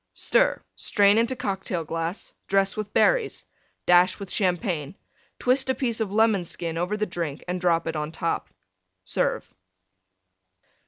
Stir; strain into Cocktail glass; dress with Berries; dash with Champagne; twist a piece of Lemon Skin over the drink and drop it on top. Serve.